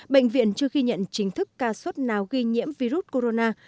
bệnh viện chưa ghi nhận chính thức ca sốt nào ghi nhiễm virus corona